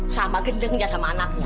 sama gendengnya sama anaknya